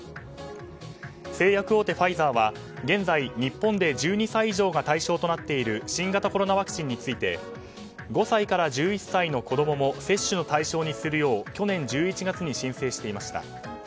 製薬大手ファイザーは現在、日本で１２歳以上が対象となっている新型コロナワクチンについて５歳から１１歳の子供も接種の対象にするよう去年１１月に申請していました。